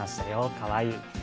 かわいい。